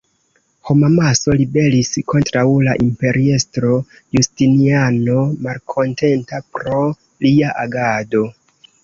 Homamaso ribelis kontraŭ la imperiestro Justiniano, malkontenta pro lia agado.